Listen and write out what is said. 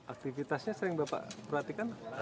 aktivitasnya sering bapak perhatikan